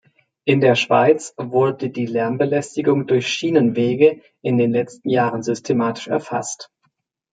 In der Schweiz wurde die Lärmbelastung durch Schienenwege in den letzten Jahren systematisch erfasst.